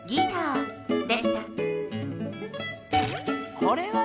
これはね